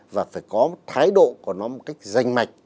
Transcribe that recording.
và phải có thái độ của nó một cách danh mạch